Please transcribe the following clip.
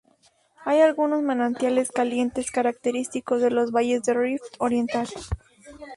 Hay algunos manantiales calientes característicos de los valles del Rift Oriental.